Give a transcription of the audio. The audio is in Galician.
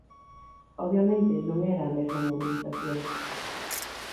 Obviamente non era a mesma mobilización.